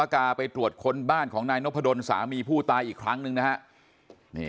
กาไปตรวจค้นบ้านของนายนพดลสามีผู้ตายอีกครั้งหนึ่งนะฮะนี่